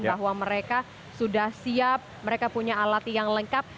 bahwa mereka sudah siap mereka punya alat yang lengkap